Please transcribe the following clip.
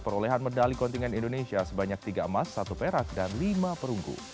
perolehan medali kontingen indonesia sebanyak tiga emas satu perak dan lima perunggu